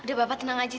udah bapak tenang aja